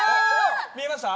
見えました？